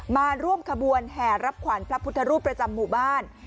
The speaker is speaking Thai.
มาร่วมขบวนแห่รับขวัญพระพุทธรูปประจำหมู่บ้าน